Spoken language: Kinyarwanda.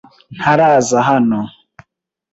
Ntaraza hano.